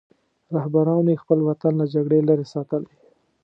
رهبرانو یې خپل وطن له جګړې لرې ساتلی.